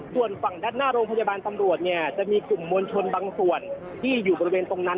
ส่วนฝั่งด้านหน้าโรงพยาบาลตำรวจเนี่ยจะมีกลุ่มมวลชนบางส่วนที่อยู่บริเวณตรงนั้น